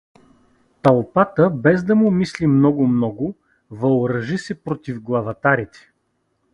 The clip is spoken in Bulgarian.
Тълпата, без да му мисли много-много, въоръжи се против главатарите.